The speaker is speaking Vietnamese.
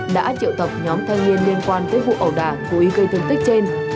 đã triệu tập nhóm thanh niên liên quan tới vụ ẩu đả của ý gây thương tích trên